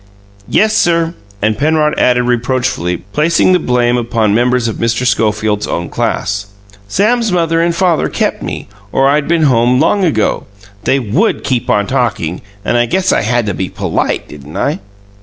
"Yes, sir." And Penrod added reproachfully, placing the blame upon members of Mr. Schofield's own class, "Sam's mother and father kept me, or I'd been home long ago. They would keep on talkin', and I guess I had to be POLITE, didn't I?"